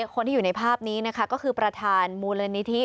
คนที่อยู่ในภาพนี้นะคะก็คือประธานมูลนิธิ